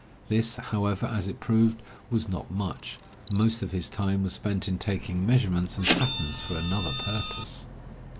This, however, as it proved, was not much; most of his time was spent in taking measurements and patterns for another purpose.